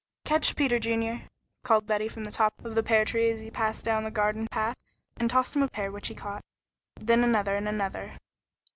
"Catch, Peter Junior," called Betty from the top of the pear tree as he passed down the garden path, and tossed him a pear which he caught, then another and another.